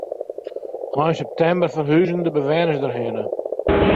Ein septimber ferhuzen de bewenners dêrhinne.